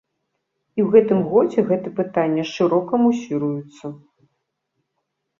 І ў гэтым годзе гэта пытанне шырока мусіруецца.